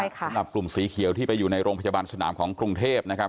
สำหรับกลุ่มสีเขียวที่ไปอยู่ในโรงพยาบาลสนามของกรุงเทพนะครับ